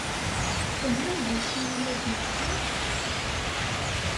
Tfehmem d aci i la d-yeqqaṛ?